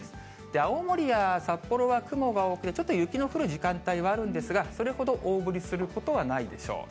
青森や札幌は雲が多く、ちょっと雪の降る時間帯はあるんですが、それほど大降りすることはないでしょう。